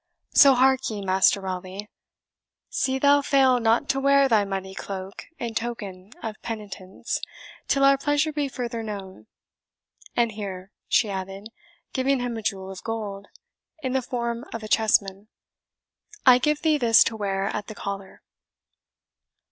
So hark ye, Master Raleigh, see thou fail not to wear thy muddy cloak, in token of penitence, till our pleasure be further known. And here," she added, giving him a jewel of gold, in the form of a chess man, "I give thee this to wear at the collar."